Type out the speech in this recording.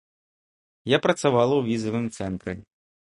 Я працавала ў візавым цэнтры.